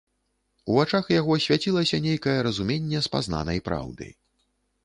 У вачах яго свяцілася нейкае разуменне спазнанай праўды.